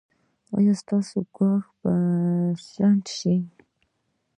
ایا ستاسو ګواښ به شنډ شي؟